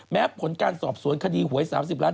แม้ผลการสอบสวนคดีหวย๓๐ล้านบาท